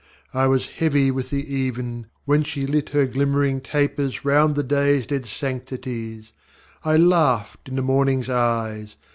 I was heavy with the even, When she lit her glimmering tapers Round the dayŌĆÖs dead sanctities. I laughed in the morningŌĆÖs eyes.